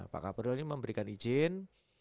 pak kapolri ini memberikan izin